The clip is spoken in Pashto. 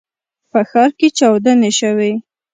په ښار کې چاودنې شوي.